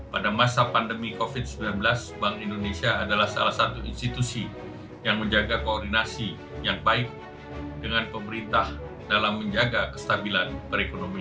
pada masa pandemi covid sembilan belas bank indonesia adalah salah satu institusi yang menjaga koordinasi yang baik dengan pemerintah dalam menjaga kestabilan perekonomian